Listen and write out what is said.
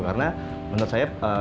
karena menurut saya